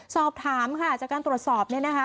สอบถามค่ะจากการตรวจสอบเนี่ยนะคะ